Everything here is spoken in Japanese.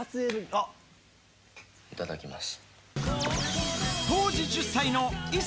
いただきます。